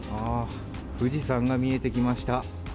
富士山が見えてきました。